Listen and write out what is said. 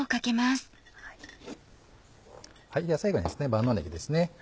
では最後に万能ねぎです。